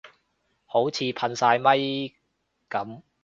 好似噴曬咪噉